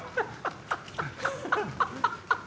ハハハハハ！